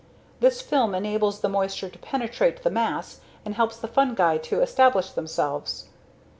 This film enables the moisture to penetrate the mass and helps the fungi to establish themselves.